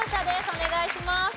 お願いします。